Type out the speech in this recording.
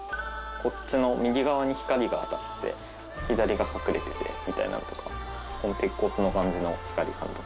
こっちの右側に光が当たって左が隠れててみたいなのとかこの鉄骨の感じの光感とか。